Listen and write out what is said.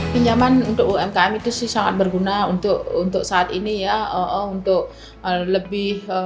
pinjaman untuk umkm itu sih sangat berguna untuk saat ini